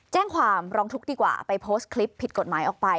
แจ้งความร้องทุกข์ดีกว่าไปโพสต์คลิปผิดกฎหมายออกไป